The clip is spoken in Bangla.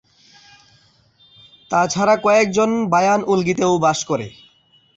তাছাড়া কয়েকজন বায়ান-ওলগিতে ও বাস করে।